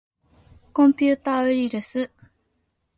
コンピューターウイルス